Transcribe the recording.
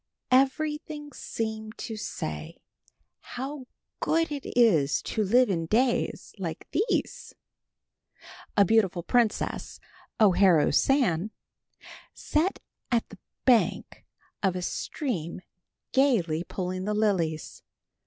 Everything seemed to say, "How good it is to live in days like these." A beautiful princess, O Haru San, sat on the bank of a stream gaily pulling the lilies.